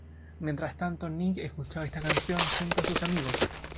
Mientras tanto, Nick escucha esta conversación junto con sus amigos.